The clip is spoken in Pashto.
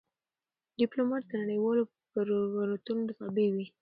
ډيپلومات د نړېوالو پروتوکولونو تابع وي.